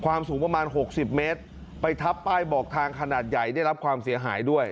สูงประมาณ๖๐เมตรไปทับป้ายบอกทางขนาดใหญ่ได้รับความเสียหายด้วย